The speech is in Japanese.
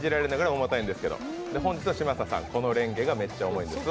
本日は嶋佐さん「このレンゲがめっちゃ重いんです」。